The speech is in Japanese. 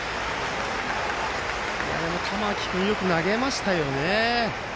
玉木君よく投げましたよね。